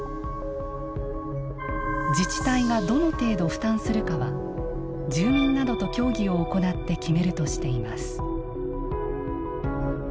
自治体がどの程度負担するかは住民などと協議を行って決めるとしています。